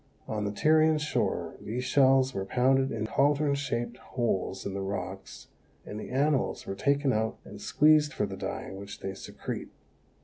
On the Tyrian shore these shells were pounded in caldron shaped holes in the rocks, and the animals were taken out and squeezed for the dye which they secrete.